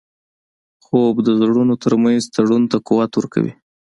خوب د زړونو ترمنځ تړون ته قوت ورکوي